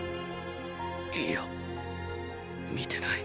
いいや見てない。